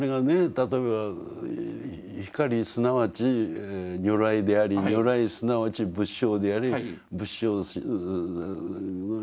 例えば光すなわち如来であり如来すなわち仏性であり仏性ねえ